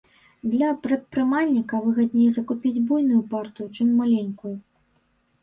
Для прадпрымальніка выгадней закупіць буйную партыю, чым маленькую.